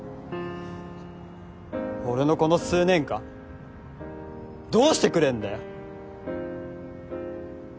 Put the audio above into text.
俺のこの数年間どうしてくれんだよ！